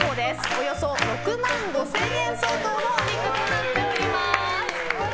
およそ６万５０００円相当のお肉となっております。